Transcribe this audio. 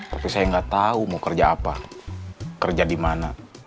tapi saya nggak tahu mau kerja apa kerja di mana